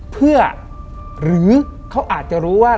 เพื่อหรือเขาอาจจะรู้ว่า